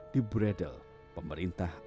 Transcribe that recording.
di bredel pemerintah orde baru